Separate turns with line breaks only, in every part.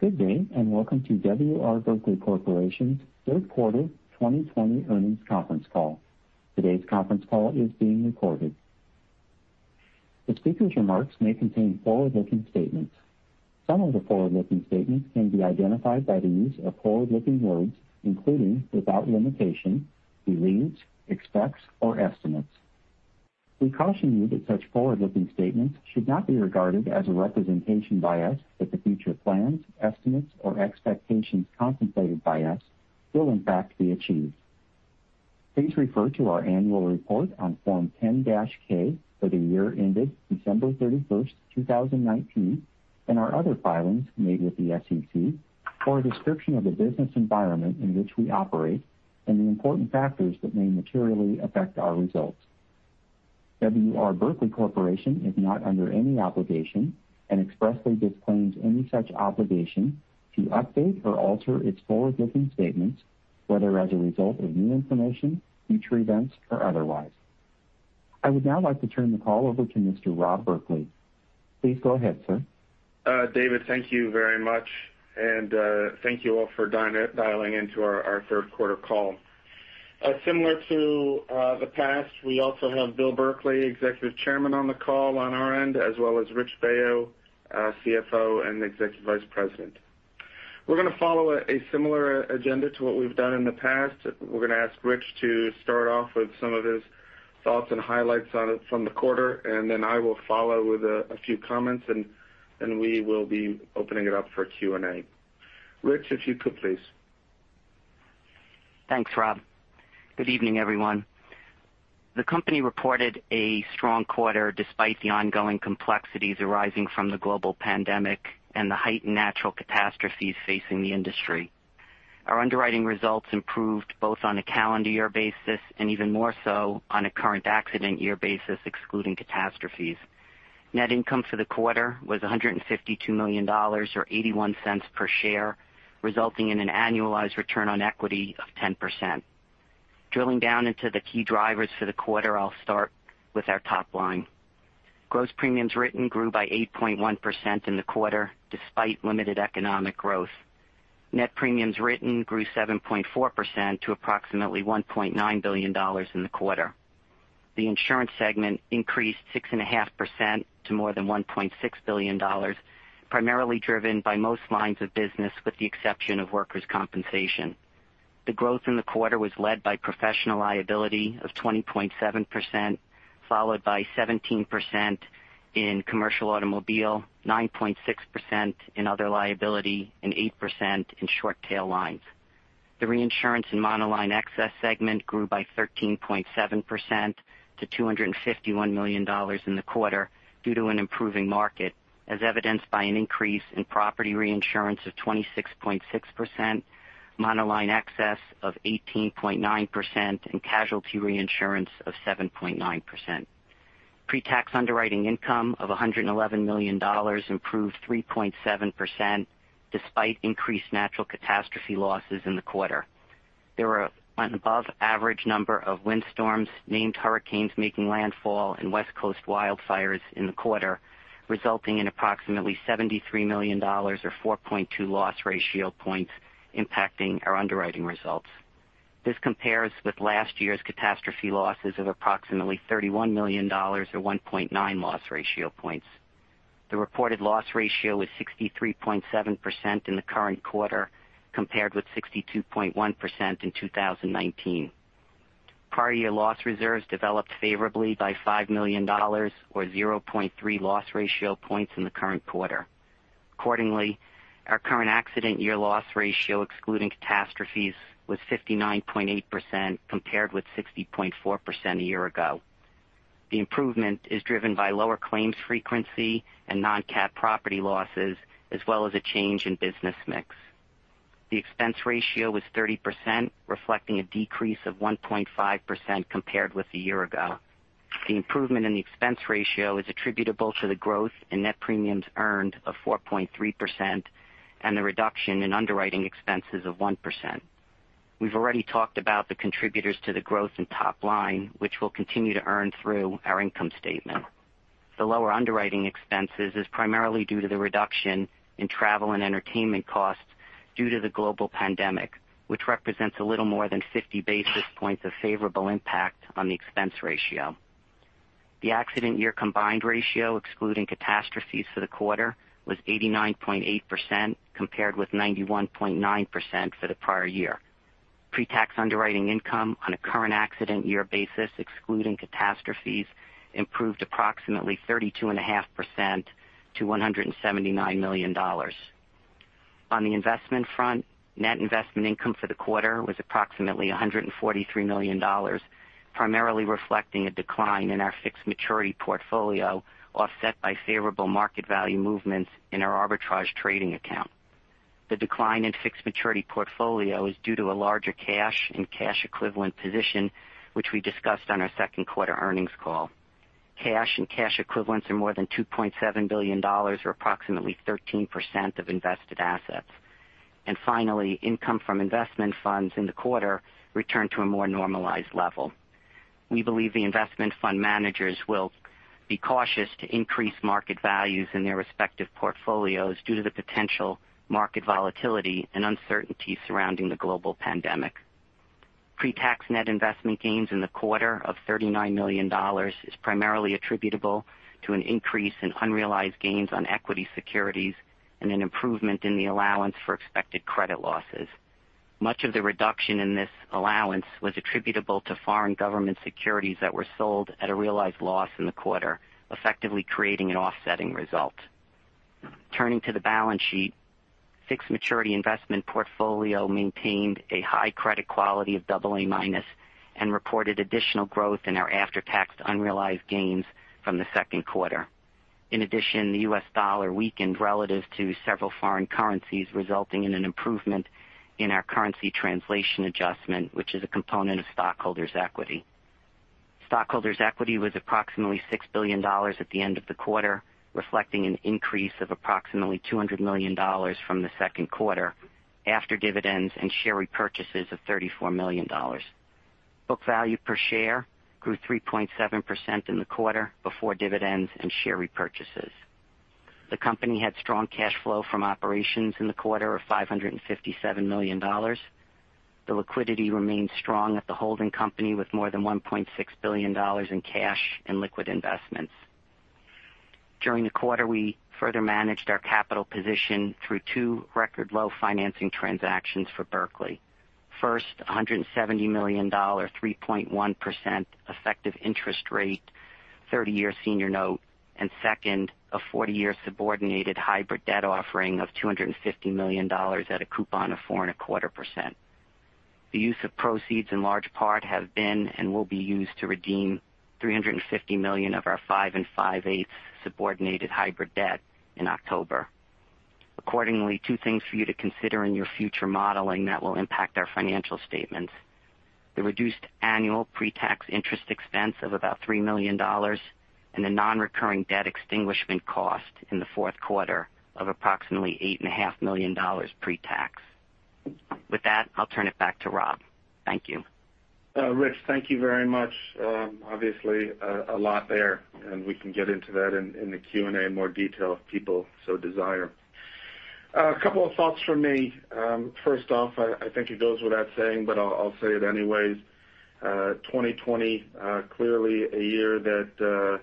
Good day, and welcome to W. R. Berkley Corporation's third quarter 2020 earnings conference call. Today's conference call is being recorded. The speaker's remarks may contain forward-looking statements. Some of the forward-looking statements can be identified by the use of forward-looking words, including without limitation, believes, expects, or estimates. We caution you that such forward-looking statements should not be regarded as a representation by us that the future plans, estimates, or expectations contemplated by us will, in fact, be achieved. Please refer to our annual report on Form 10-K for the year ended December 31st, 2019, and our other filings made with the SEC for a description of the business environment in which we operate and the important factors that may materially affect our results. W. R. Berkley Corporation is not under any obligation and expressly disclaims any such obligation to update or alter its forward-looking statements, whether as a result of new information, future events, or otherwise. I would now like to turn the call over to Mr. Rob Berkley. Please go ahead, sir.
David, thank you very much, and thank you all for dialing into our third quarter call. Similar to the past, we also have Bill Berkley, Executive Chairman, on the call on our end, as well as Rich Baio, CFO and Executive Vice President. We're going to follow a similar agenda to what we've done in the past. We're going to ask Rich to start off with some of his thoughts and highlights from the quarter, and then I will follow with a few comments, and we will be opening it up for Q&A. Rich, if you could, please.
Thanks, Rob. Good evening, everyone. The company reported a strong quarter despite the ongoing complexities arising from the global pandemic and the heightened natural catastrophes facing the industry. Our underwriting results improved both on a calendar year basis and even more so on a current accident year basis, excluding catastrophes. Net income for the quarter was $152 million or $0.81 per share, resulting in an annualized return on equity of 10%. Drilling down into the key drivers for the quarter, I'll start with our top line. Gross premiums written grew by 8.1% in the quarter despite limited economic growth. Net premiums written grew 7.4% to approximately $1.9 billion in the quarter. The Insurance segment increased 6.5% to more than $1.6 billion, primarily driven by most lines of business with the exception of workers' compensation. The growth in the quarter was led by professional liability of 20.7%, followed by 17% in commercial automobile, 9.6% in other liability, and 8% in short-tail lines. The Reinsurance and Monoline Excess segment grew by 13.7% to $251 million in the quarter due to an improving market, as evidenced by an increase in property reinsurance of 26.6%, monoline excess of 18.9%, and casualty reinsurance of 7.9%. Pretax underwriting income of $111 million improved 3.7% despite increased natural catastrophe losses in the quarter. There were an above-average number of windstorms, named hurricanes making landfall, and West Coast wildfires in the quarter, resulting in approximately $73 million or 4.2 loss ratio points impacting our underwriting results. This compares with last year's catastrophe losses of approximately $31 million or 1.9 loss ratio points. The reported loss ratio was 63.7% in the current quarter, compared with 62.1% in 2019. Prior year loss reserves developed favorably by $5 million or 0.3 loss ratio points in the current quarter. Accordingly, our current accident year loss ratio, excluding catastrophes, was 59.8%, compared with 60.4% a year ago. The improvement is driven by lower claims frequency and non-cat property losses, as well as a change in business mix. The expense ratio was 30%, reflecting a decrease of 1.5% compared with a year ago. The improvement in the expense ratio is attributable to the growth in net premiums earned of 4.3% and the reduction in underwriting expenses of 1%. We've already talked about the contributors to the growth in top line, which will continue to earn through our income statement. The lower underwriting expenses is primarily due to the reduction in travel and entertainment costs due to the global pandemic, which represents a little more than 50 basis points of favorable impact on the expense ratio. The accident year combined ratio, excluding catastrophes for the quarter, was 89.8%, compared with 91.9% for the prior year. Pretax underwriting income on a current accident year basis, excluding catastrophes, improved approximately 32.5% to $179 million. On the investment front, net investment income for the quarter was approximately $143 million, primarily reflecting a decline in our fixed maturity portfolio, offset by favorable market value movements in our arbitrage trading account. The decline in fixed maturity portfolio is due to a larger cash and cash equivalent position, which we discussed on our second quarter earnings call. Cash and cash equivalents are more than $2.7 billion, or approximately 13% of invested assets. Finally, income from investment funds in the quarter returned to a more normalized level. We believe the investment fund managers will be cautious to increase market values in their respective portfolios due to the potential market volatility and uncertainty surrounding the global pandemic. Pre-tax net investment gains in the quarter of $39 million is primarily attributable to an increase in unrealized gains on equity securities and an improvement in the allowance for expected credit losses. Much of the reduction in this allowance was attributable to foreign government securities that were sold at a realized loss in the quarter, effectively creating an offsetting result. Turning to the balance sheet, fixed maturity investment portfolio maintained a high credit quality of AA- and reported additional growth in our after-tax unrealized gains from the second quarter. In addition, the U.S. dollar Weakened relative to several foreign currencies, resulting in an improvement in our currency translation adjustment, which is a component of stockholders' equity. Stockholders' equity was approximately $6 billion at the end of the quarter, reflecting an increase of approximately $200 million from the second quarter after dividends and share repurchases of $34 million. Book value per share grew 3.7% in the quarter before dividends and share repurchases. The company had strong cash flow from operations in the quarter of $557 million. The liquidity remained strong at the holding company with more than $1.6 billion in cash and liquid investments. During the quarter, we further managed our capital position through two record low financing transactions for Berkley. First, a $170 million, 3.1% effective interest rate, 30-year senior note, and second, a 40-year subordinated hybrid debt offering of $250 million at a coupon of 4.25%. The use of proceeds, in large part, has been and will be used to redeem $350 million of our 5 and 5/8 subordinated hybrid debt in October. Accordingly, two things for you to consider in your future modeling that will impact our financial statements: the reduced annual pre-tax interest expense of about $3 million and the non-recurring debt extinguishment cost in the fourth quarter of approximately $8.5 million pretax. With that, I'll turn it back to Rob. Thank you.
Rich, thank you very much. Obviously, a lot there, and we can get into that in the Q&A in more detail if people so desire. A couple of thoughts from me. First off, I think it goes without saying, but I'll say it anyways: 2020, clearly a year that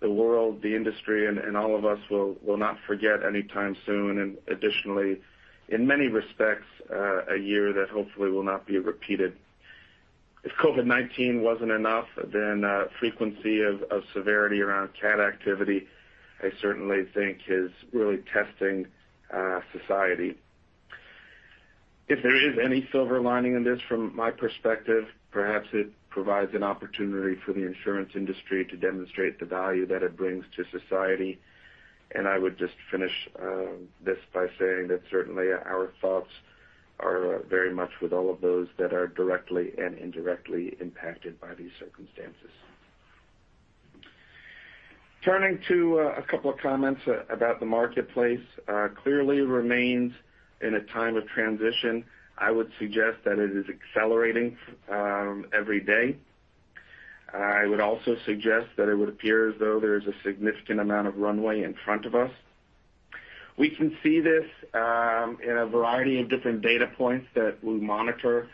the world, the industry, and all of us will not forget anytime soon, and additionally, in many respects, a year that hopefully will not be repeated. If COVID-19 wasn't enough, then the frequency of severity around cat activity, I certainly think, is really testing society. If there is any silver lining in this, from my perspective, perhaps it provides an opportunity for the insurance industry to demonstrate the value that it brings to society. I would just finish this by saying that certainly our thoughts are very much with all of those that are directly and indirectly impacted by these circumstances. Turning to a couple of comments about the marketplace, it clearly remains in a time of transition. I would suggest that it is accelerating every day. I would also suggest that it would appear as though there is a significant amount of runway in front of us. We can see this in a variety of different data points that we monitor.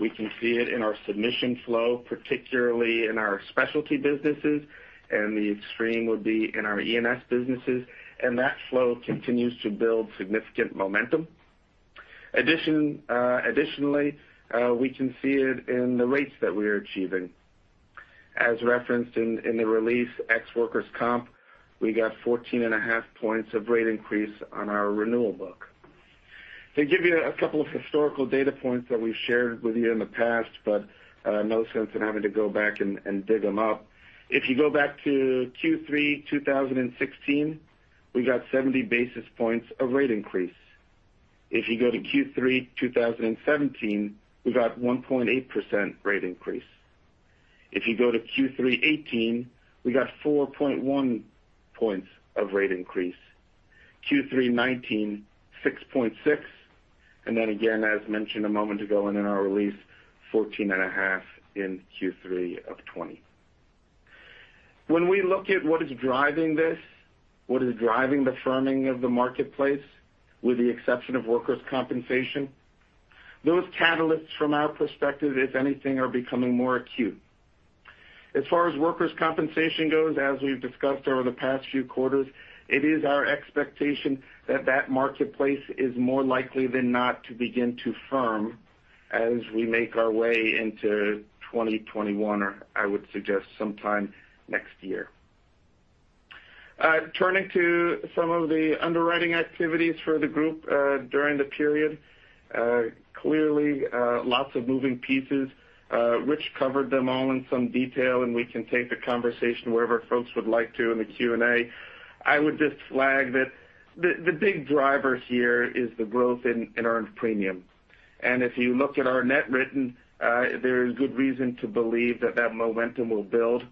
We can see it in our submission flow, particularly in our specialty businesses, and the extreme would be in our E&S businesses, and that flow continues to build significant momentum. Additionally, we can see it in the rates that we are achieving. As referenced in the release, ex-workers' comp, we got 14.5 points of rate increase on our renewal book. To give you a couple of historical data points that we've shared with you in the past, but no sense in having to go back and dig them up. If you go back to Q3 2016, we got 70 basis points of rate increase. If you go to Q3 2017, we got 1.8% rate increase. If you go to Q3 2018, we got 4.1 points of rate increase. Q3 2019, 6.6, and then again, as mentioned a moment ago in our release, 14.5 in Q3 of 2020. When we look at what is driving this, what is driving the firming of the marketplace, with the exception of workers' compensation, those catalysts, from our perspective, if anything, are becoming more acute. As far as workers' compensation goes, as we've discussed over the past few quarters, it is our expectation that that marketplace is more likely than not to begin to firm as we make our way into 2021, or I would suggest sometime next year. Turning to some of the underwriting activities for the group during the period, clearly lots of moving pieces. Rich covered them all in some detail, and we can take the conversation wherever folks would like to in the Q&A. I would just flag that the big driver here is the growth in earned premium, and if you look at our net written, there is good reason to believe that that momentum will build.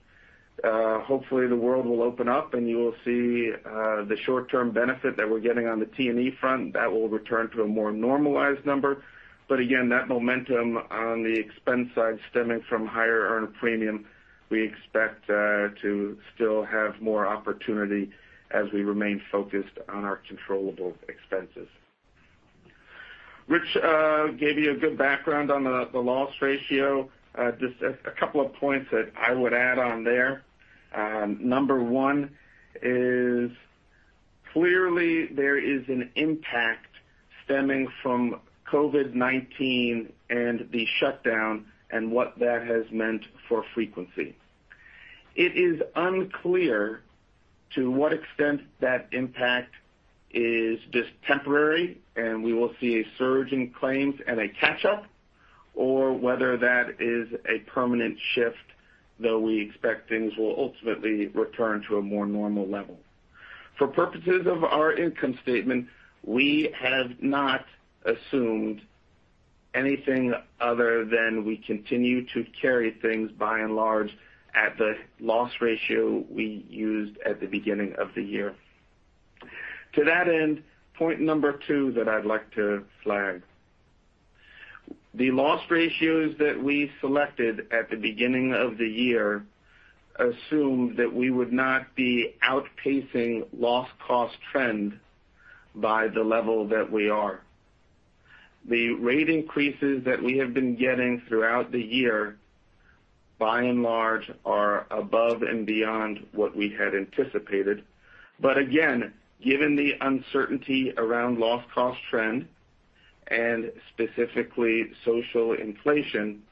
Hopefully, the world will open up, and you will see the short-term benefit that we're getting on the T&E front that will return to a more normalized number. But again, that momentum on the expense side stemming from higher earned premium, we expect to still have more opportunity as we remain focused on our controllable expenses. Rich gave you a good background on the loss ratio. Just a couple of points that I would add on there. Number one is clearly there is an impact stemming from COVID-19 and the shutdown and what that has meant for frequency. It is unclear to what extent that impact is just temporary, and we will see a surge in claims and a catch-up, or whether that is a permanent shift, though we expect things will ultimately return to a more normal level. For purposes of our income statement, we have not assumed anything other than we continue to carry things by and large at the loss ratio we used at the beginning of the year. To that end, point number two that I'd like to flag: the loss ratios that we selected at the beginning of the year assumed that we would not be outpacing loss cost trend by the level that we are. The rate increases that we have been getting throughout the year, by and large, are above and beyond what we had anticipated. But again, given the uncertainty around loss cost trend and specifically social inflation,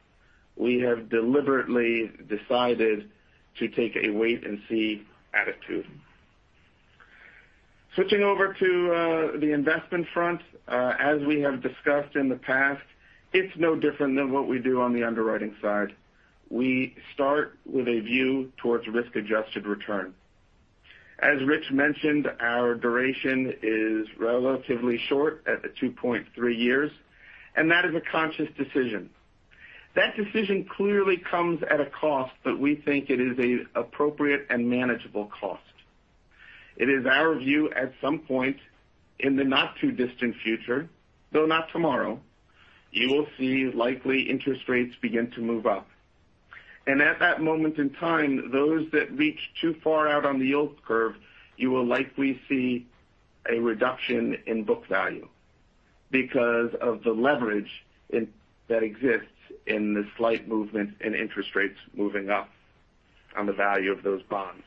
we have deliberately decided to take a wait-and-see attitude. Switching over to the investment front, as we have discussed in the past, it's no different than what we do on the underwriting side. We start with a view towards risk-adjusted return. As Rich mentioned, our duration is relatively short at 2.3 years, and that is a conscious decision. That decision clearly comes at a cost, but we think it is an appropriate and manageable cost. It is our view at some point in the not-too-distant future, though not tomorrow, you will see likely interest rates begin to move up. And at that moment in time, those that reach too far out on the yield curve, you will likely see a reduction in book value because of the leverage that exists in the slight movement in interest rates moving up on the value of those bonds.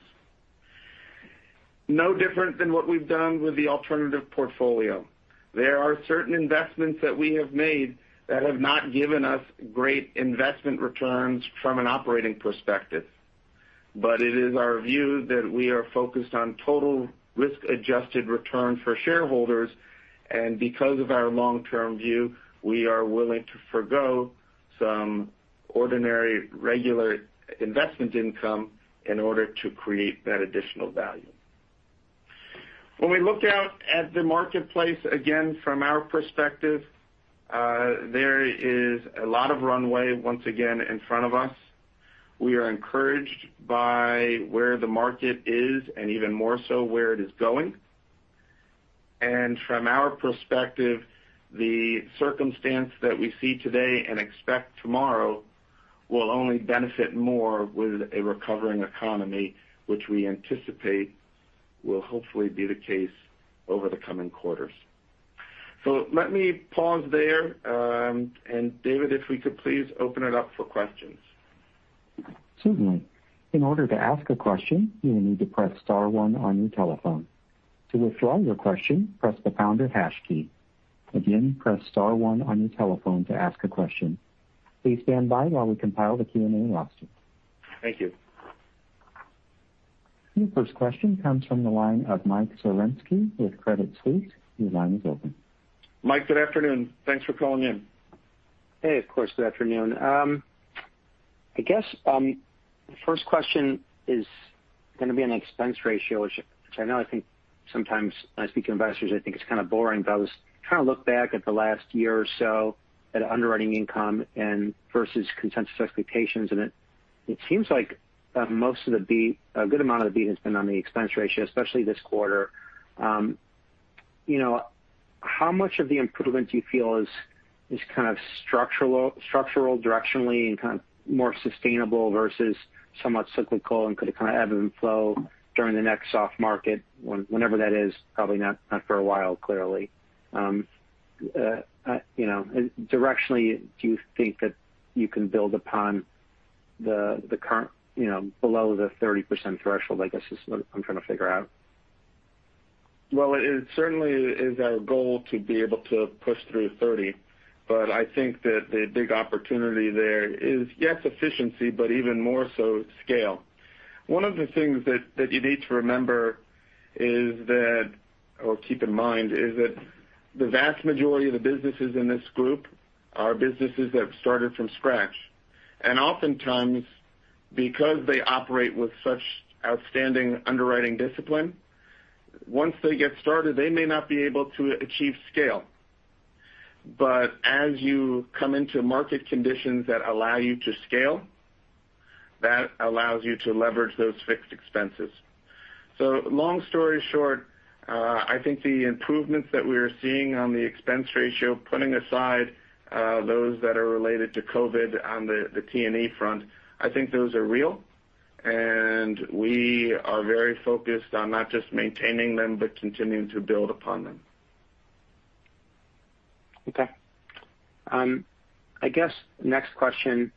No different than what we've done with the alternative portfolio. There are certain investments that we have made that have not given us great investment returns from an operating perspective. But it is our view that we are focused on total risk-adjusted return for shareholders, and because of our long-term view, we are willing to forgo some ordinary regular investment income in order to create that additional value. When we look out at the marketplace, again, from our perspective, there is a lot of runway once again in front of us. We are encouraged by where the market is and even more so where it is going. And from our perspective, the circumstance that we see today and expect tomorrow will only benefit more with a recovering economy, which we anticipate will hopefully be the case over the coming quarters. So let me pause there. And David, if we could please open it up for questions.
Certainly. In order to ask a question, you will need to press Star one on your telephone. To withdraw your question, press the Pound or Hash key. Again, press Star one on your telephone to ask a question. Please stand by while we compile the Q&A roster.
Thank you.
Your first question comes from the line of Mike Zaremski with Credit Suisse. Your line is open.
Mike, good afternoon. Thanks for calling in.
Hey, of course, good afternoon. I guess the first question is going to be on expense ratio, which I know I think sometimes when I speak to investors, I think it's kind of boring, but I was trying to look back at the last year or so at underwriting income versus consensus expectations, and it seems like most of the beat, a good amount of the beat has been on the expense ratio, especially this quarter. How much of the improvement do you feel is kind of structural, directionally, and kind of more sustainable versus somewhat cyclical and could kind of ebb and flow during the next soft market, whenever that is, probably not for a while, clearly? Directionally, do you think that you can build upon the current below the 30% threshold, I guess, is what I'm trying to figure out?
It certainly is our goal to be able to push through 30, but I think that the big opportunity there is, yes, efficiency, but even more so scale. One of the things that you need to remember is that, or keep in mind, is that the vast majority of the businesses in this group are businesses that started from scratch. And oftentimes, because they operate with such outstanding underwriting discipline, once they get started, they may not be able to achieve scale. But as you come into market conditions that allow you to scale, that allows you to leverage those fixed expenses. So long story short, I think the improvements that we are seeing on the expense ratio, putting aside those that are related to COVID on the T&E front, I think those are real, and we are very focused on not just maintaining them, but continuing to build upon them.
Okay. I guess next question,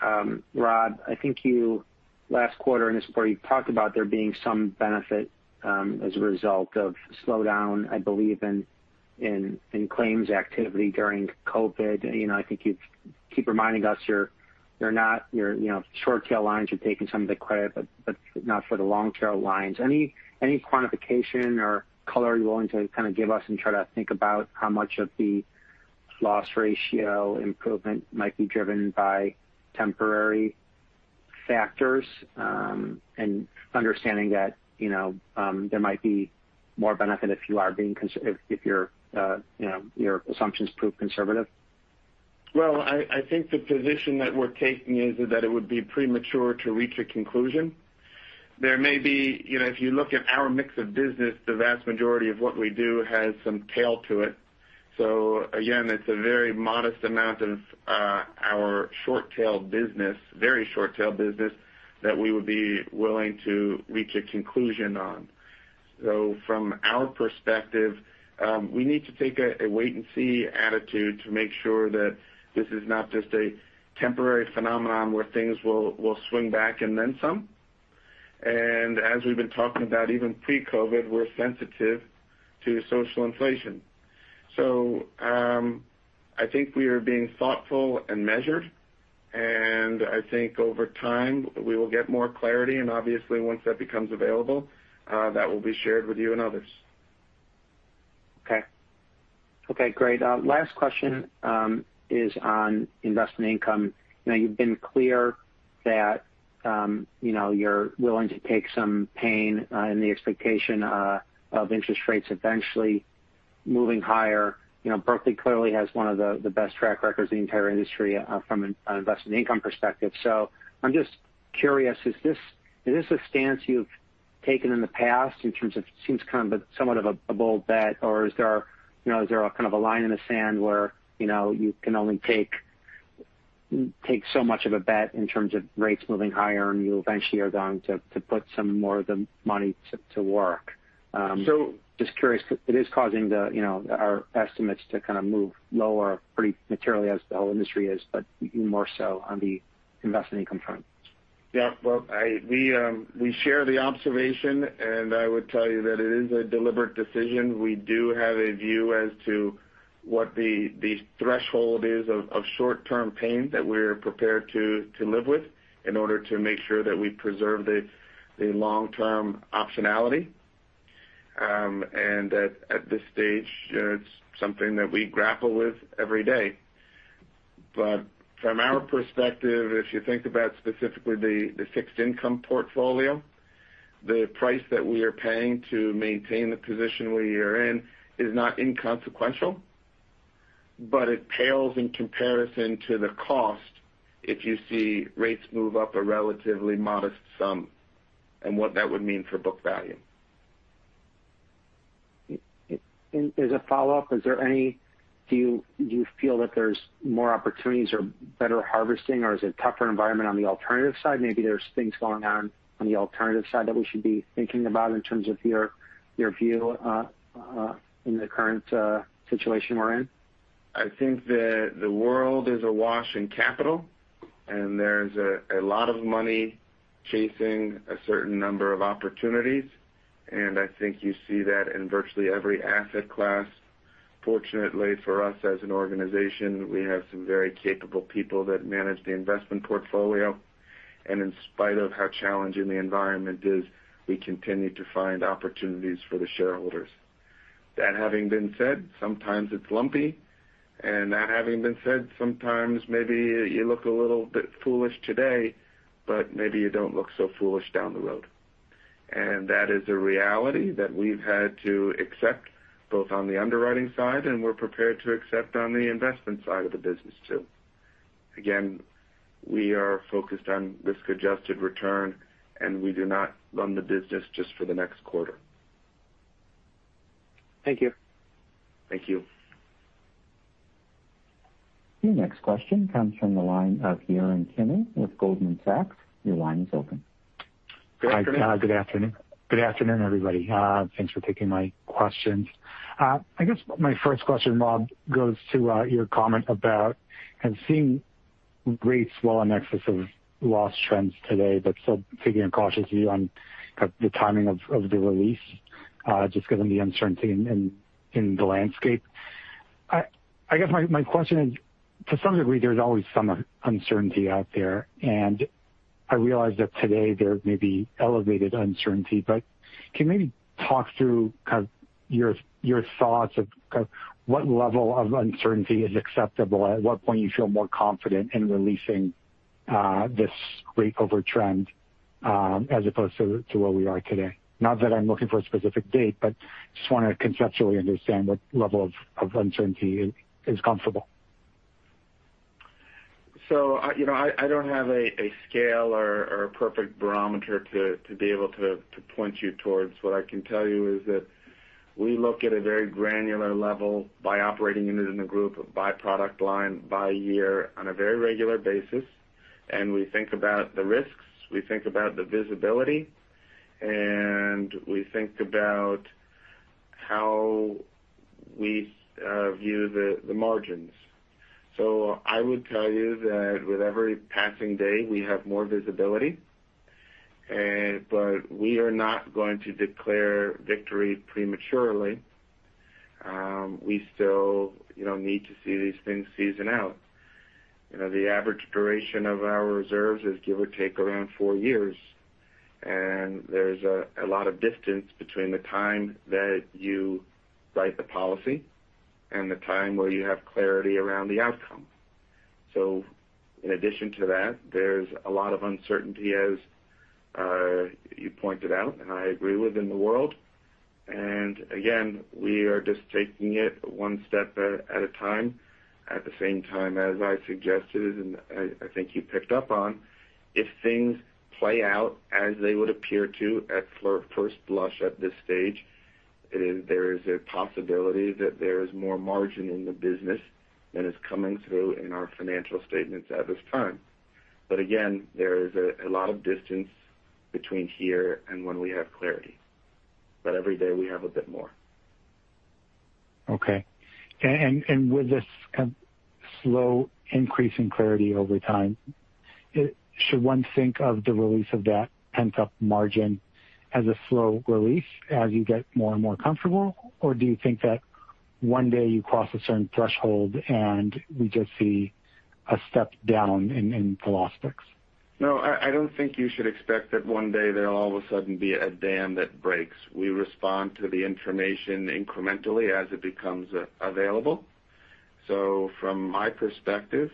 Rob. I think you last quarter in this report, you talked about there being some benefit as a result of slowdown, I believe, in claims activity during COVID. I think you keep reminding us you're not. Your short-tail lines are taking some of the credit, but not for the long-tail lines. Any quantification or color you're willing to kind of give us and try to think about how much of the loss ratio improvement might be driven by temporary factors, and understanding that there might be more benefit if you are being, if your assumptions prove conservative?
Well, I think the position that we're taking is that it would be premature to reach a conclusion. There may be, if you look at our mix of business, the vast majority of what we do has some tail to it. So again, it's a very modest amount of our short-tail business, very short-tail business that we would be willing to reach a conclusion on. So from our perspective, we need to take a wait-and-see attitude to make sure that this is not just a temporary phenomenon where things will swing back and then some. And as we've been talking about, even pre-COVID, we're sensitive to social inflation. So I think we are being thoughtful and measured, and I think over time we will get more clarity, and obviously once that becomes available, that will be shared with you and others.
Okay. Okay, great. Last question is on investment income. You've been clear that you're willing to take some pain in the expectation of interest rates eventually moving higher. Berkley clearly has one of the best track records in the entire industry from an investment income perspective. So I'm just curious, is this a stance you've taken in the past in terms of it seems kind of somewhat of a bold bet, or is there kind of a line in the sand where you can only take so much of a bet in terms of rates moving higher and you eventually are going to put some more of the money to work?
So.
Just curious, it is causing our estimates to kind of move lower pretty materially as the whole industry is, but even more so on the investment income front.
Yeah, well, we share the observation, and I would tell you that it is a deliberate decision. We do have a view as to what the threshold is of short-term pain that we're prepared to live with in order to make sure that we preserve the long-term optionality. And at this stage, it's something that we grapple with every day. But from our perspective, if you think about specifically the fixed income portfolio, the price that we are paying to maintain the position we are in is not inconsequential, but it pales in comparison to the cost if you see rates move up a relatively modest sum and what that would mean for book value.
As a follow-up, is there any, do you feel, that there's more opportunities or better harvesting, or is it a tougher environment on the alternative side? Maybe there's things going on on the alternative side that we should be thinking about in terms of your view in the current situation we're in?
I think that the world is awash in capital, and there's a lot of money chasing a certain number of opportunities. And I think you see that in virtually every asset class. Fortunately for us as an organization, we have some very capable people that manage the investment portfolio. And in spite of how challenging the environment is, we continue to find opportunities for the shareholders. That having been said, sometimes it's lumpy. And that having been said, sometimes maybe you look a little bit foolish today, but maybe you don't look so foolish down the road. And that is a reality that we've had to accept both on the underwriting side, and we're prepared to accept on the investment side of the business too. Again, we are focused on risk-adjusted return, and we do not run the business just for the next quarter.
Thank you.
Thank you.
The next question comes from the line of Yaron Kinar with Goldman Sachs. Your line is open.
Good afternoon. Good afternoon, everybody. Thanks for taking my questions. I guess my first question, Rob, goes to your comment about seeing rates well in excess of loss trends today, but still taking a cautious view on the timing of the release just given the uncertainty in the landscape. I guess my question is, to some degree, there's always some uncertainty out there, and I realize that today there may be elevated uncertainty, but can you maybe talk through kind of your thoughts of what level of uncertainty is acceptable, at what point you feel more confident in releasing this rate overtrend as opposed to where we are today? Not that I'm looking for a specific date, but just want to conceptually understand what level of uncertainty is comfortable.
So I don't have a scale or a perfect barometer to be able to point you towards. What I can tell you is that we look at a very granular level by operating in the group, by product line, by year on a very regular basis. And we think about the risks, we think about the visibility, and we think about how we view the margins. So I would tell you that with every passing day, we have more visibility, but we are not going to declare victory prematurely. We still need to see these things season out. The average duration of our reserves is give or take around four years. And there's a lot of distance between the time that you write the policy and the time where you have clarity around the outcome. So in addition to that, there's a lot of uncertainty, as you pointed out, and I agree with in the world. And again, we are just taking it one step at a time. At the same time as I suggested, and I think you picked up on, if things play out as they would appear to at first blush at this stage, there is a possibility that there is more margin in the business than is coming through in our financial statements at this time. But again, there is a lot of distance between here and when we have clarity. But every day we have a bit more.
Okay. And with this slow increase in clarity over time, should one think of the release of that pent-up margin as a slow release as you get more and more comfortable, or do you think that one day you cross a certain threshold and we just see a step down in the loss picks?
No, I don't think you should expect that one day there'll all of a sudden be a dam that breaks. We respond to the information incrementally as it becomes available. So from my perspective,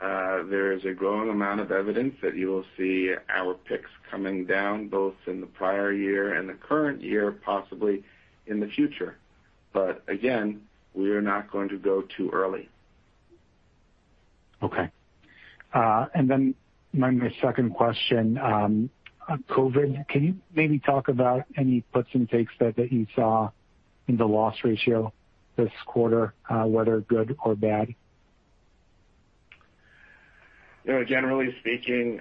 there is a growing amount of evidence that you will see our picks coming down both in the prior year and the current year, possibly in the future. But again, we are not going to go too early.
Okay. And then my second question, COVID, can you maybe talk about any puts and takes that you saw in the loss ratio this quarter, whether good or bad?
Generally speaking,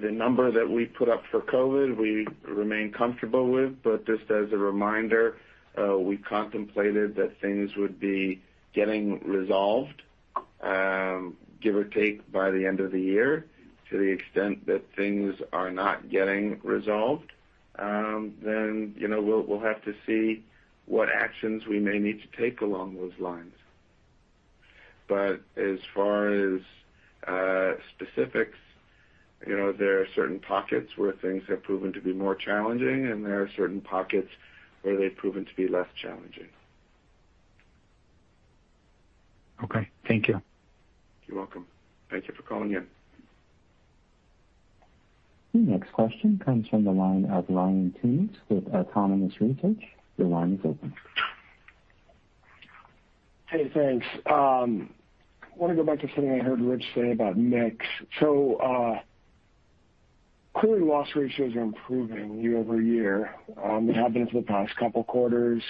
the number that we put up for COVID, we remain comfortable with. But just as a reminder, we contemplated that things would be getting resolved, give or take by the end of the year. To the extent that things are not getting resolved, then we'll have to see what actions we may need to take along those lines. But as far as specifics, there are certain pockets where things have proven to be more challenging, and there are certain pockets where they've proven to be less challenging.
Okay. Thank you.
You're welcome. Thank you for calling in.
The next question comes from the line of Ryan Tunis with Autonomous Research. The line is open.
Hey, thanks. I want to go back to something I heard Rich say about mix. So clearly, loss ratios are improving year-over-year. It happened for the past couple of quarters.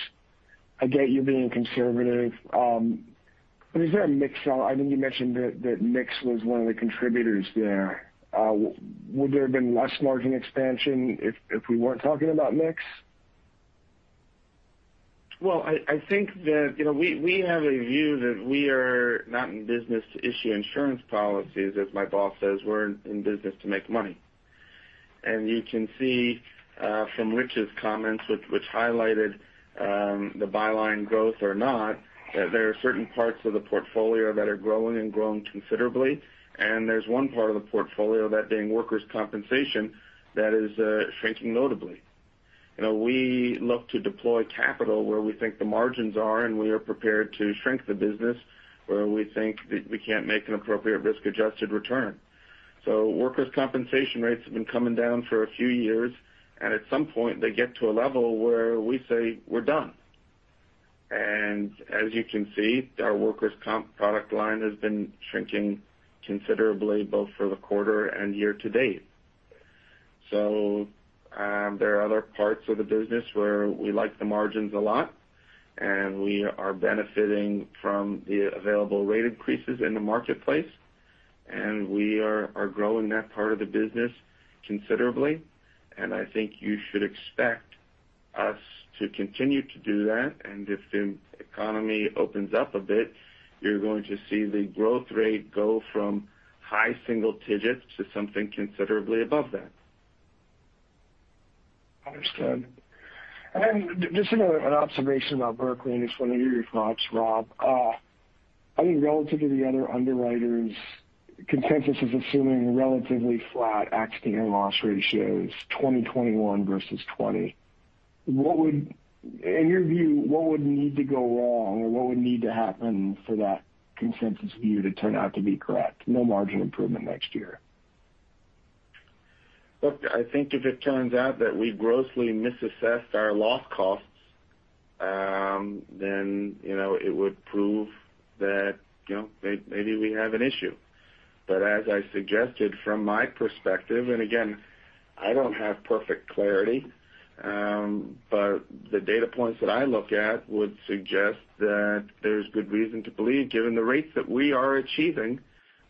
I get you being conservative. But is there a mix? I think you mentioned that mix was one of the contributors there. Would there have been less margin expansion if we weren't talking about mix?
Well, I think that we have a view that we are not in business to issue insurance policies, as my boss says. We're in business to make money. You can see from Richard's comments, which highlighted the byline growth or not, that there are certain parts of the portfolio that are growing and growing considerably. There's one part of the portfolio that, being workers' compensation, is shrinking notably. We look to deploy capital where we think the margins are, and we are prepared to shrink the business where we think that we can't make an appropriate risk-adjusted return. Workers' compensation rates have been coming down for a few years, and at some point, they get to a level where we say we're done. As you can see, our workers' comp product line has been shrinking considerably both for the quarter and year-to-date. So there are other parts of the business where we like the margins a lot, and we are benefiting from the available rate increases in the marketplace. And we are growing that part of the business considerably. And I think you should expect us to continue to do that. And if the economy opens up a bit, you're going to see the growth rate go from high single digits to something considerably above that.
Understood, and just another observation about Berkley, and just want to hear your thoughts, Rob. I think relative to the other underwriters, consensus is assuming relatively flat at the loss ratios, 2021 versus 2020. In your view, what would need to go wrong, or what would need to happen for that consensus view to turn out to be correct? No margin improvement next year.
Look, I think if it turns out that we grossly misassessed our loss costs, then it would prove that maybe we have an issue. But as I suggested from my perspective, and again, I don't have perfect clarity, but the data points that I look at would suggest that there's good reason to believe, given the rates that we are achieving,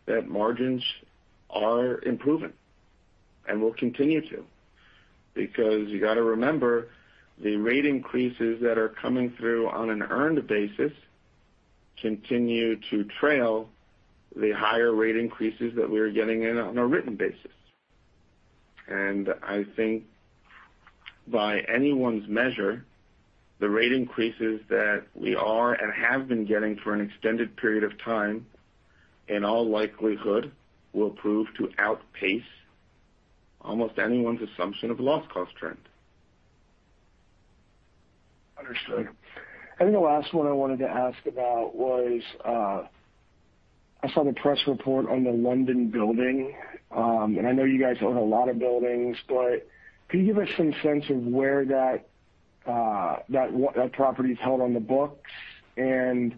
that margins are improving and will continue to. Because you got to remember, the rate increases that are coming through on an earned basis continue to trail the higher rate increases that we are getting in on a written basis. And I think by anyone's measure, the rate increases that we are and have been getting for an extended period of time, in all likelihood, will prove to outpace almost anyone's assumption of a loss cost trend.
Understood. I think the last one I wanted to ask about was, I saw the press report on the London building, and I know you guys own a lot of buildings, but can you give us some sense of where that property is held on the books, and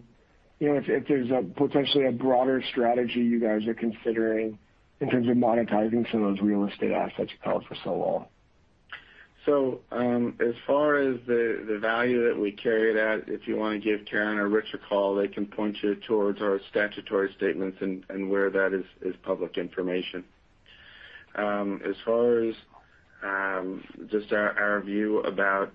if there's potentially a broader strategy you guys are considering in terms of monetizing some of those real estate assets you've held for so long?
So as far as the value that we carry that, if you want to give Karen or Rich a call, they can point you towards our statutory statements and where that is public information. As far as just our view about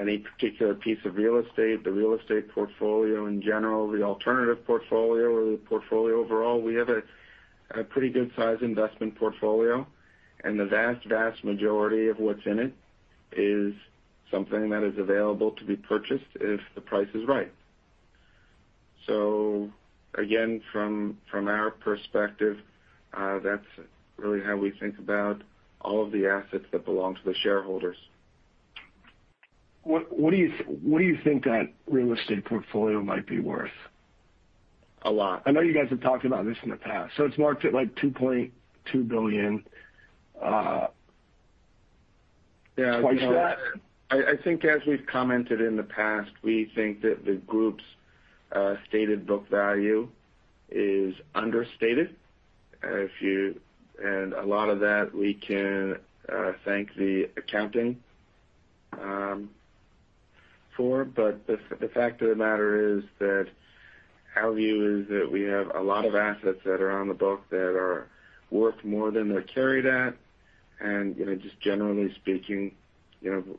any particular piece of real estate, the real estate portfolio in general, the alternative portfolio, or the portfolio overall, we have a pretty good size investment portfolio. And the vast, vast majority of what's in it is something that is available to be purchased if the price is right. So again, from our perspective, that's really how we think about all of the assets that belong to the shareholders.
What do you think that real estate portfolio might be worth?
A lot.
I know you guys have talked about this in the past. So it's more like $2.2 billion.
Yeah. I think as we've commented in the past, we think that the group's stated book value is understated. And a lot of that we can thank the accounting for. But the fact of the matter is that our view is that we have a lot of assets that are on the book that are worth more than they're carried at. And just generally speaking,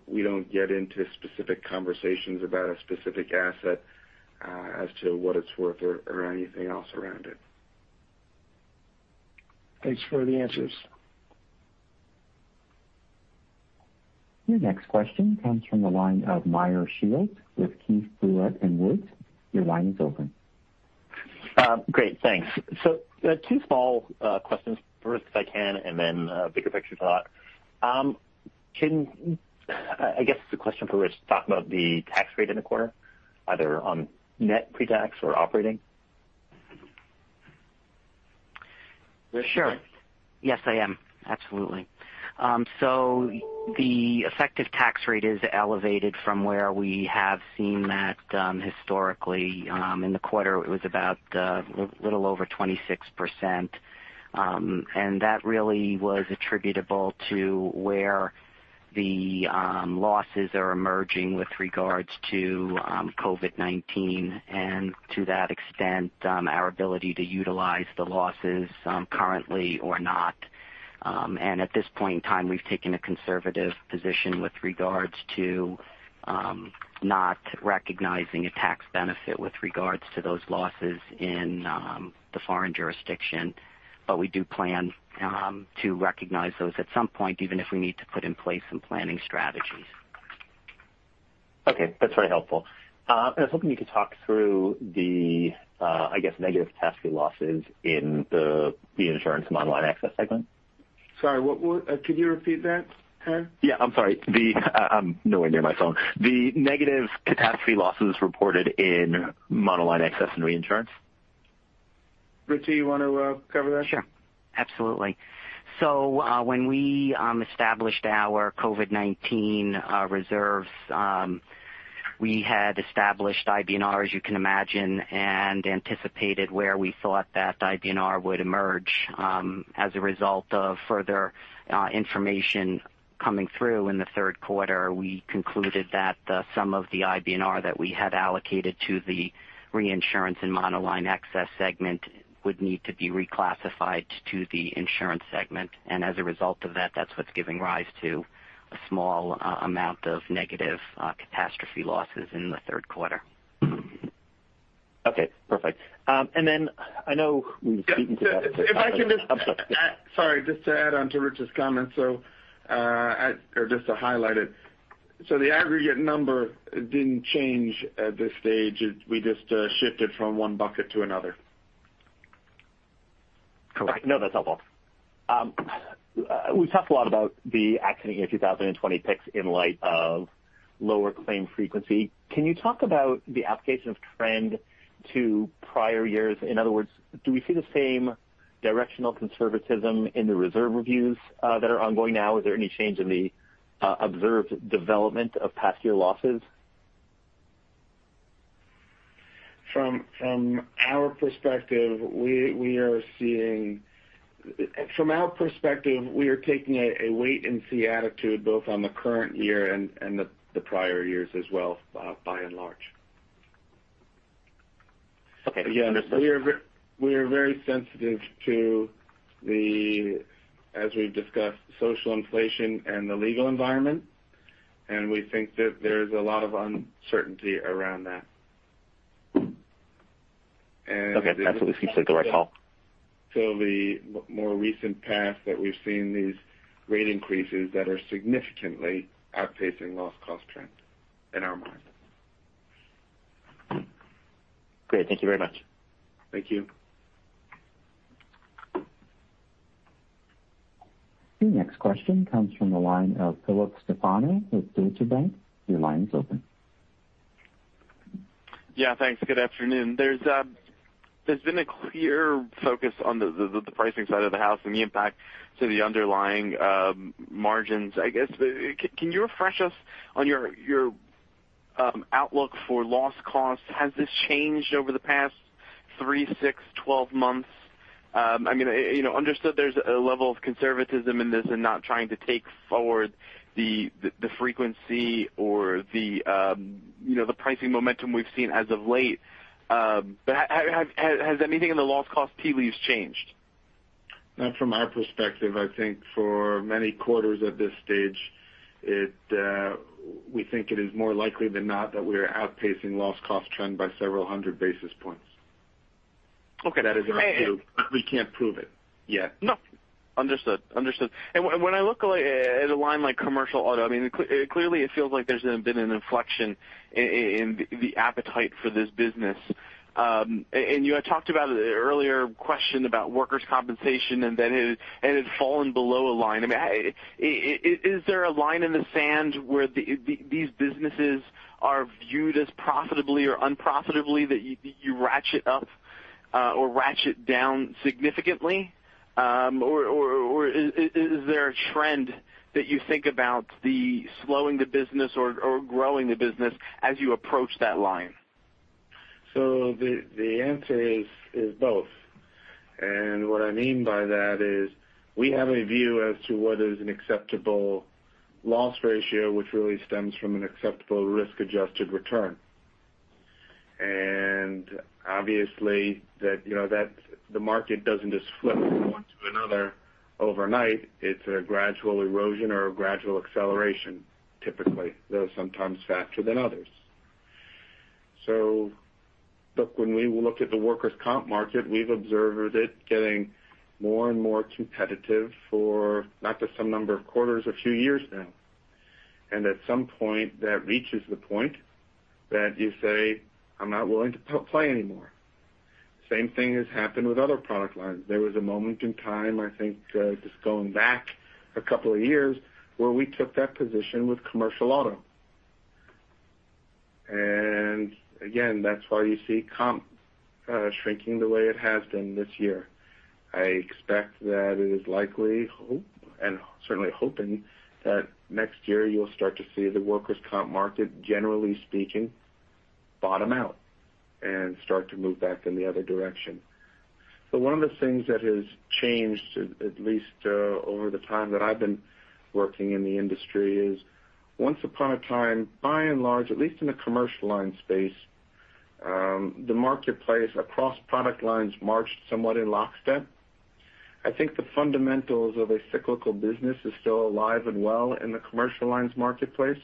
we don't get into specific conversations about a specific asset as to what it's worth or anything else around it.
Thanks for the answers.
Your next question comes from the line of Meyer Shields with Keefe, Bruyette & Woods. Your line is open.
Great. Thanks. So two small questions, first, if I can, and then a bigger picture thought. I guess it's a question for Rich to talk about the tax rate in the quarter, either on net pre-tax or operating.
Sure. Yes, I am. Absolutely. So the effective tax rate is elevated from where we have seen that historically. In the quarter, it was about a little over 26%. And that really was attributable to where the losses are emerging with regards to COVID-19 and to that extent our ability to utilize the losses currently or not. And at this point in time, we've taken a conservative position with regards to not recognizing a tax benefit with regards to those losses in the foreign jurisdiction. But we do plan to recognize those at some point, even if we need to put in place some planning strategies.
Okay. That's very helpful. I was hoping you could talk through the, I guess, negative tax rate losses in the Reinsurance and Monoline Excess segment.
Sorry, can you repeat that?
Yeah. I'm sorry. I'm nowhere near my phone. The negative catastrophe losses reported in our lines, excess and reinsurance.
Rich, do you want to cover that?
Sure. Absolutely. So when we established our COVID-19 reserves, we had established IBNR, as you can imagine, and anticipated where we thought that IBNR would emerge. As a result of further information coming through in the third quarter, we concluded that some of the IBNR that we had allocated to the reinsurance and monoline excess segment would need to be reclassified to the insurance segment. And as a result of that, that's what's giving rise to a small amount of negative catastrophe losses in the third quarter.
Okay. Perfect. And then I know we've been speaking to that.
If I can just.
I'm sorry.
Sorry, just to add on to Rich's comments, or just to highlight it. So the aggregate number didn't change at this stage. We just shifted from one bucket to another.
Okay. No, that's helpful. We've talked a lot about the accident year 2020 picks in light of lower claim frequency. Can you talk about the application of trend to prior years? In other words, do we see the same directional conservatism in the reserve reviews that are ongoing now? Is there any change in the observed development of past year losses?
From our perspective, we are taking a wait-and-see attitude both on the current year and the prior years as well, by and large.
Okay. Understood.
We are very sensitive to the, as we've discussed, social inflation and the legal environment, and we think that there's a lot of uncertainty around that.
Okay. Absolutely. Seems like the right call.
So the more recent path that we've seen these rate increases that are significantly outpacing loss cost trend in our mind.
Great. Thank you very much.
Thank you.
Your next question comes from the line of Philip Stefano with Deutsche Bank. Your line is open.
Yeah. Thanks. Good afternoon. There's been a clear focus on the pricing side of the house and the impact to the underlying margins. I guess, can you refresh us on your outlook for loss costs? Has this changed over the past three, six, 12 months? I mean, understood there's a level of conservatism in this and not trying to take forward the frequency or the pricing momentum we've seen as of late. But has anything in the loss cost tea leaves changed?
Not from our perspective. I think for many quarters at this stage, we think it is more likely than not that we are outpacing loss cost trend by several hundred basis points.
Okay. And.
That is our view. We can't prove it yet.
No. Understood. Understood. And when I look at a line like commercial auto, I mean, clearly it feels like there's been an inflection in the appetite for this business. And you had talked about an earlier question about workers' compensation, and then it had fallen below a line. I mean, is there a line in the sand where these businesses are viewed as profitably or unprofitably that you ratchet up or ratchet down significantly? Or is there a trend that you think about slowing the business or growing the business as you approach that line?
So the answer is both. And what I mean by that is we have a view as to what is an acceptable loss ratio, which really stems from an acceptable risk-adjusted return. And obviously, the market doesn't just flip from one to another overnight. It's a gradual erosion or a gradual acceleration, typically. There are sometimes faster than others. So look, when we look at the workers' comp market, we've observed it getting more and more competitive for not just some number of quarters, a few years now. And at some point, that reaches the point that you say, "I'm not willing to play anymore." Same thing has happened with other product lines. There was a moment in time, I think, just going back a couple of years, where we took that position with commercial auto. Again, that's why you see comp shrinking the way it has been this year. I expect that it is likely, and certainly hoping, that next year you'll start to see the workers' comp market, generally speaking, bottom out and start to move back in the other direction. One of the things that has changed, at least over the time that I've been working in the industry, is once upon a time, by and large, at least in the commercial line space, the marketplace across product lines marched somewhat in lockstep. I think the fundamentals of a cyclical business are still alive and well in the commercial lines marketplace.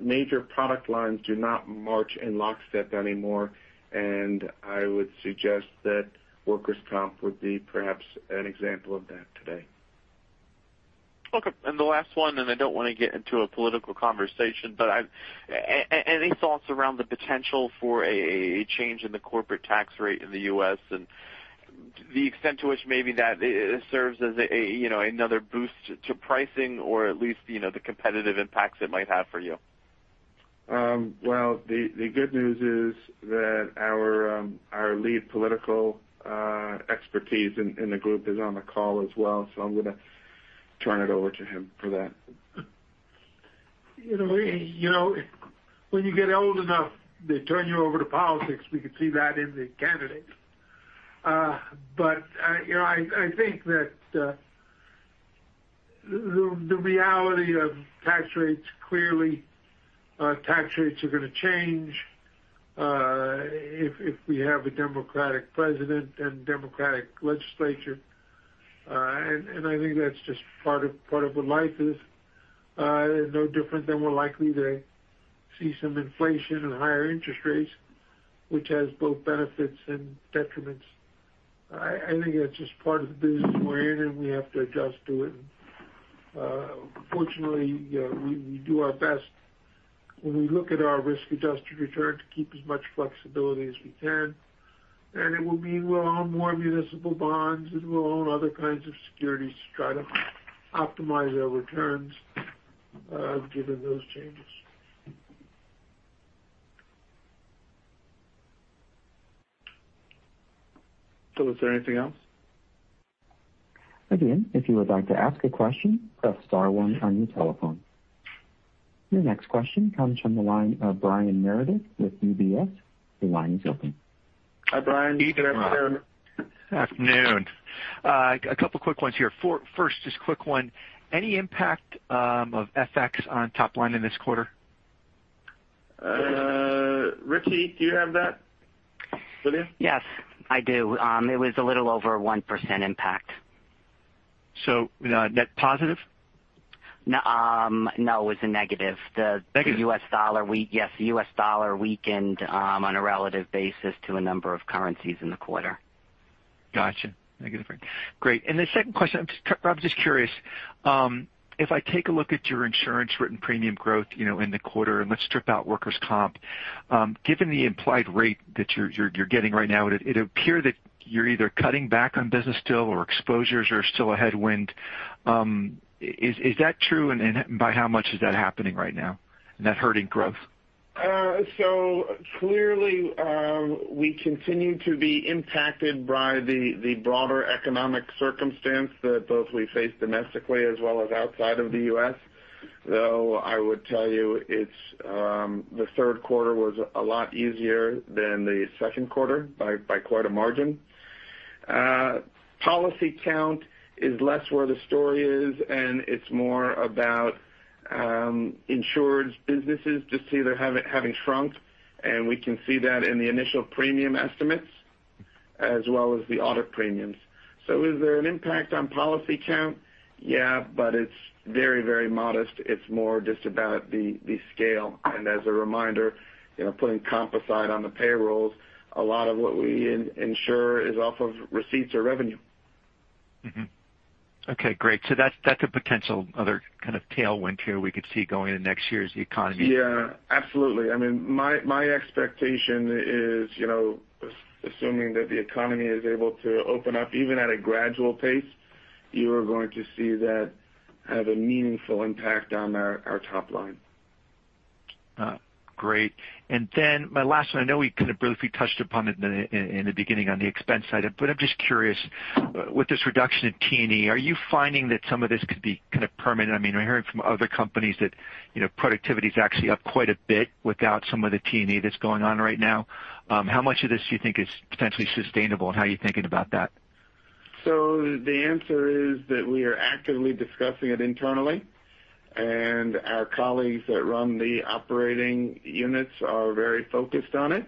Major product lines do not march in lockstep anymore. I would suggest that workers' comp would be perhaps an example of that today.
Okay. And the last one, and I don't want to get into a political conversation, but any thoughts around the potential for a change in the corporate tax rate in the U.S. and the extent to which maybe that serves as another boost to pricing or at least the competitive impacts it might have for you?
The good news is that our lead political expertise in the group is on the call as well. I'm going to turn it over to him for that. When you get old enough to turn you over to politics, we could see that in the candidates. But I think that the reality of tax rates clearly, tax rates are going to change if we have a Democratic president and Democratic legislature. And I think that's just part of what life is. No different than we're likely to see some inflation and higher interest rates, which has both benefits and detriments. I think that's just part of the business we're in, and we have to adjust to it. Fortunately, we do our best when we look at our risk-adjusted return to keep as much flexibility as we can. And it will mean we'll own more municipal bonds, and we'll own other kinds of securities to try to optimize our returns given those changes. So is there anything else?
Again, if you would like to ask a question, press star one on your telephone. Your next question comes from the line of Brian Meredith with UBS. The line is open.
Hi, Brian. Good afternoon.
Good afternoon. A couple of quick ones here. First, just quick one. Any impact of FX on top line in this quarter?
Rich, do you have that? William?
Yes, I do. It was a little over 1% impact.
Net positive?
No, it was a negative. The U.S. dollar, yes, the U.S. dollar weakened on a relative basis to a number of currencies in the quarter.
Gotcha. Negative rate. Great. And the second question, I'm just curious, if I take a look at your insurance written premium growth in the quarter, and let's strip out workers' comp, given the implied rate that you're getting right now, it would appear that you're either cutting back on business still or exposures are still a headwind. Is that true? And by how much is that happening right now? And that hurting growth?
So clearly, we continue to be impacted by the broader economic circumstance that both we face domestically as well as outside of the U.S. Though I would tell you the third quarter was a lot easier than the second quarter by quite a margin. Policy count is less where the story is, and it's more about insured businesses just either having shrunk. And we can see that in the initial premium estimates as well as the audit premiums. So is there an impact on policy count? Yeah, but it's very, very modest. It's more just about the scale. And as a reminder, putting comp aside on the payrolls, a lot of what we insure is off of receipts or revenue.
Okay. Great, so that's a potential other kind of tailwind here we could see going into next year as the economy.
Yeah. Absolutely. I mean, my expectation is, assuming that the economy is able to open up even at a gradual pace, you are going to see that have a meaningful impact on our top line.
Great. And then my last one, I know we kind of briefly touched upon it in the beginning on the expense side, but I'm just curious, with this reduction in T&E, are you finding that some of this could be kind of permanent? I mean, we're hearing from other companies that productivity is actually up quite a bit without some of the T&E that's going on right now. How much of this do you think is potentially sustainable, and how are you thinking about that?
So the answer is that we are actively discussing it internally, and our colleagues that run the operating units are very focused on it.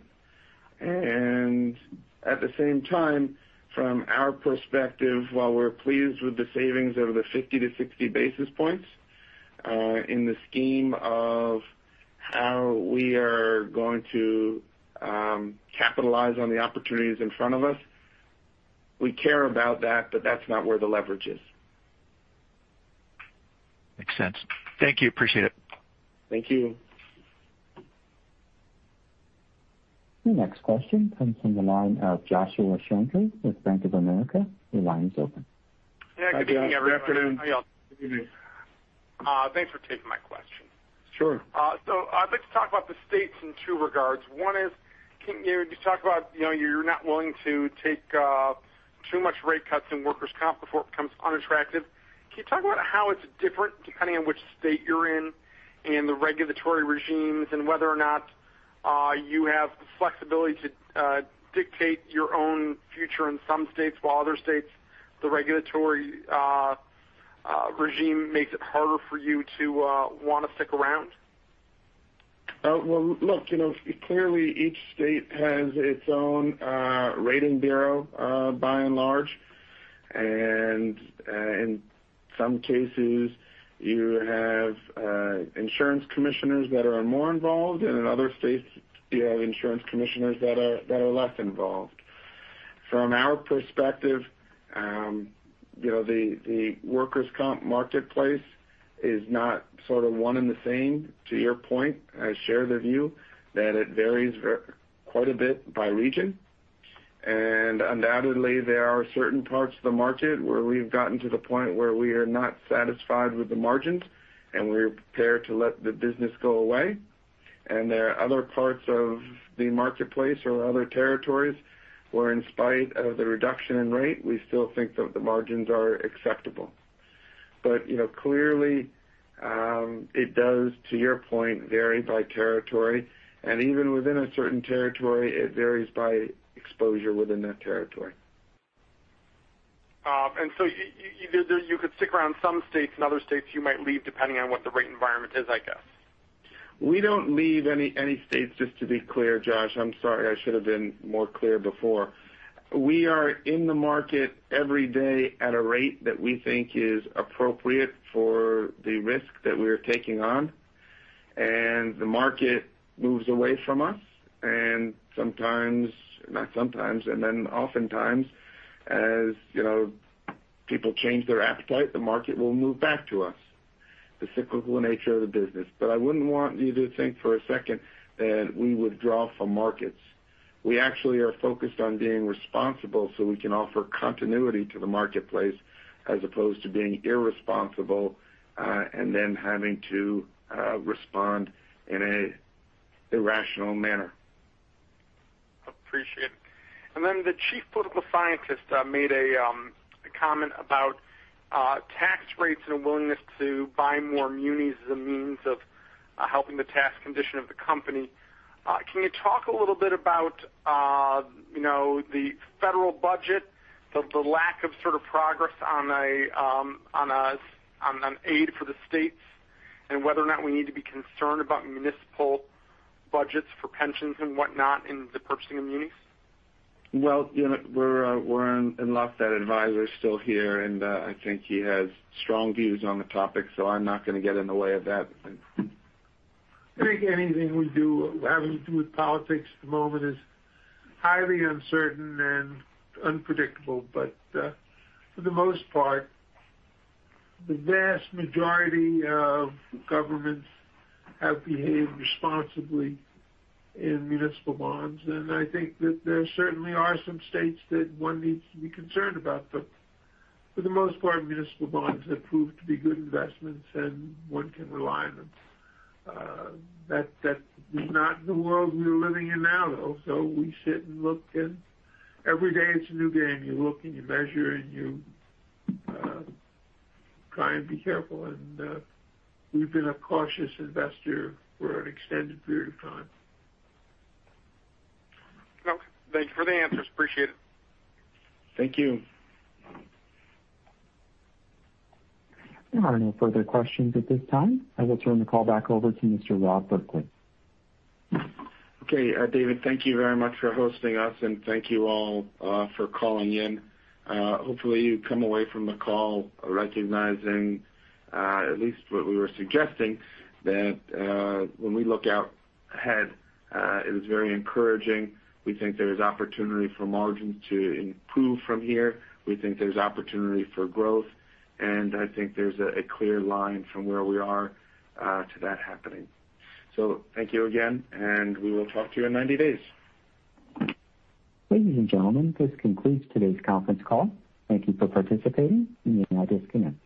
And at the same time, from our perspective, while we're pleased with the savings over the 50-60 basis points in the scheme of how we are going to capitalize on the opportunities in front of us, we care about that, but that's not where the leverage is.
Makes sense. Thank you. Appreciate it.
Thank you.
Your next question comes from the line of Joshua Shanker with Bank of America. The line is open.
Good afternoon.
Thanks for taking my question.
Sure.
So I'd like to talk about the states in two regards. One is, you talk about you're not willing to take too much rate cuts in workers' comp before it becomes unattractive. Can you talk about how it's different depending on which state you're in and the regulatory regimes and whether or not you have the flexibility to dictate your own future in some states while other states the regulatory regime makes it harder for you to want to stick around?
Look, clearly, each state has its own rating bureau by and large. And in some cases, you have insurance commissioners that are more involved, and in other states, you have insurance commissioners that are less involved. From our perspective, the workers' comp marketplace is not sort of one and the same. To your point, I share the view that it varies quite a bit by region. And undoubtedly, there are certain parts of the market where we've gotten to the point where we are not satisfied with the margins, and we're prepared to let the business go away. And there are other parts of the marketplace or other territories where, in spite of the reduction in rate, we still think that the margins are acceptable. But clearly, it does, to your point, vary by territory. And even within a certain territory, it varies by exposure within that territory.
And so you could stick around some states, and other states you might leave depending on what the rate environment is, I guess.
We don't leave any states, just to be clear, Josh. I'm sorry. I should have been more clear before. We are in the market every day at a rate that we think is appropriate for the risk that we are taking on, and the market moves away from us, and sometimes, not sometimes, and then oftentimes, as people change their appetite, the market will move back to us. The cyclical nature of the business, but I wouldn't want you to think for a second that we withdraw from markets. We actually are focused on being responsible so we can offer continuity to the marketplace as opposed to being irresponsible and then having to respond in an irrational manner.
Appreciate it. And then the chief political scientist made a comment about tax rates and a willingness to buy more munis as a means of helping the tax condition of the company. Can you talk a little bit about the federal budget, the lack of sort of progress on an aid for the states, and whether or not we need to be concerned about municipal budgets for pensions and whatnot in the purchasing of munis?
We're in lockstep. Advisor is still here, and I think he has strong views on the topic. I'm not going to get in the way of that. I think anything we do, having to do with politics at the moment, is highly uncertain and unpredictable. But for the most part, the vast majority of governments have behaved responsibly in municipal bonds. And I think that there certainly are some states that one needs to be concerned about. But for the most part, municipal bonds have proved to be good investments, and one can rely on them. That is not the world we're living in now, though. So we sit and look, and every day it's a new game. You look, and you measure, and you try and be careful. And we've been a cautious investor for an extended period of time.
Okay. Thank you for the answers. Appreciate it.
Thank you.
I don't have any further questions at this time. I will turn the call back over to Mr. Rob Berkley.
Okay. David, thank you very much for hosting us, and thank you all for calling in. Hopefully, you come away from the call recognizing at least what we were suggesting, that when we look out ahead, it is very encouraging. We think there is opportunity for margins to improve from here. We think there's opportunity for growth. And I think there's a clear line from where we are to that happening. So thank you again, and we will talk to you in 90 days.
Ladies and gentlemen, this concludes today's conference call. Thank you for participating, and you may now disconnect.